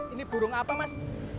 ini burung apa mas